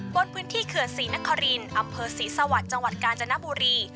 บนพื้นที่เขื่อนศรีนครินอำเภอศรีสวรรค์จังหวัดกาญจนบุรี